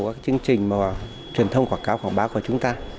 các cái chương trình mà truyền thông quảng cáo quảng báo của chúng ta